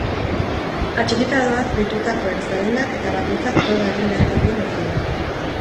Atxikita doaz deitutakoen zerrendak eta bakoitzak proba egin beharko duen ordua.